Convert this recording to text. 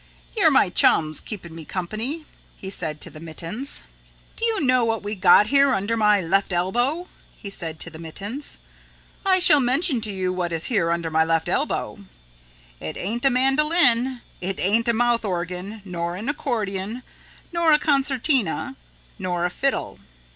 "You're my chums keeping me company," he said to the mittens. "Do you know what we got here under our left elbow?" he said to the mittens, "I shall mention to you what is here under my left elbow. "It ain't a mandolin, it ain't a mouth organ nor an accordion nor a concertina nor a fiddle.